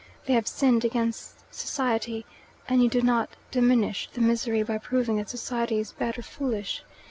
They have sinned against society, and you do not diminish the misery by proving that society is bad or foolish.